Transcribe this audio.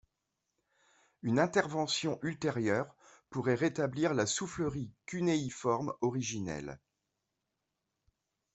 Une intervention ultérieure pourrait rétablir la soufflerie cunéiforme originelle.